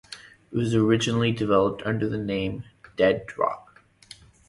It was originally developed under the name "DeadDrop".